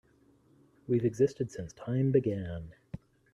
We've existed since time began.